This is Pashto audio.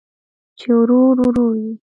چې ورو، ورو یې